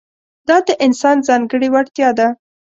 دا د انسان ځانګړې وړتیا ده.